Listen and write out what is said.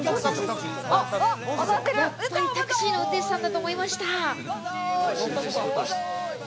タクシーの運転手さんだと思いました。